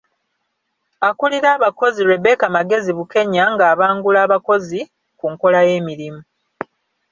Akulira abakozi Rebecca Magezi Bukenya ng’abangula abakozi ku nkola y’emirimu.